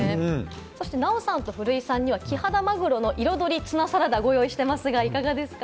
そしてナヲさんと古井さんにはキハダマグロの彩りツナサラダをご用意していますがどうですか？